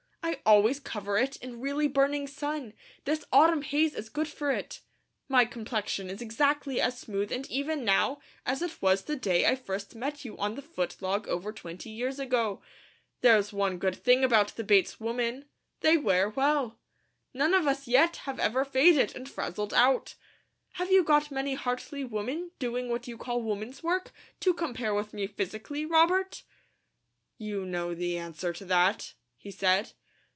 I always cover it in really burning sun; this autumn haze is good for it. My complexion is exactly as smooth and even now, as it was the day I first met you on the footlog over twenty years ago. There's one good thing about the Bates women. They wear well. None of us yet have ever faded, and frazzled out. Have you got many Hartley women, doing what you call women's work, to compare with me physically, Robert?" "You know the answer to that," he said.